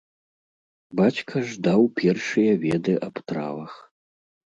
Бацька ж даў першыя веды аб травах.